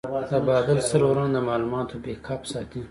د بادل سرورونه د معلوماتو بیک اپ ساتي.